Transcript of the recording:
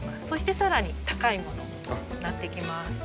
そしてさらに高いものになってきます。